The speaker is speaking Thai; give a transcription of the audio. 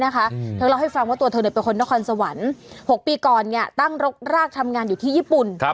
เธอเล่าให้ฟังว่าตัวเธอเป็นคนนครสวรรค์๖ปีก่อนตั้งรกรากทำงานอยู่ที่ญี่ปุ่น